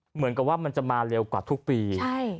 เหมือนกับว่ามันจะมาเร็วกว่าทุกปี